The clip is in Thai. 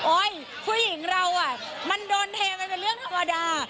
ผู้หญิงเรามันโดนเทมันเป็นเรื่องธรรมดา